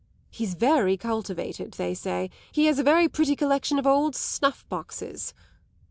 'He's very cultivated,' they say: 'he has a very pretty collection of old snuff boxes.